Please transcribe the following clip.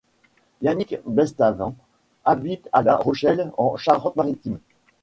Yannick Bestaven habite à La Rochelle en Charente-Maritime.